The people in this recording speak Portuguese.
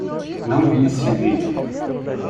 Não vi esse vídeo